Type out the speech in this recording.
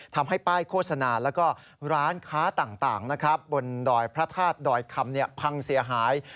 ทำให้ป้ายโฆษณาและร้านค้าต่างบนดอยพระทาสดอยคำพังเสียหาย